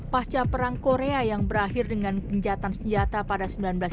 pasca perang korea yang berakhir dengan kenjatan senjata pada seribu sembilan ratus sembilan puluh